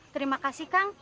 terima kasih kang